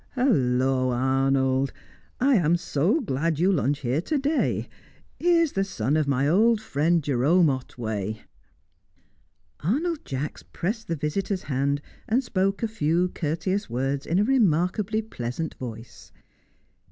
"Hullo, Arnold! I am so glad you lunch here to day. Here is the son of my old friend Jerome Otway." Arnold Jacks pressed the visitor's hand and spoke a few courteous words in a remarkably pleasant voice.